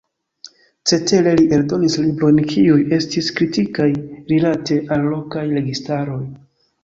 Cetere li eldonis librojn kiuj estis kritikaj rilate al lokaj registaroj.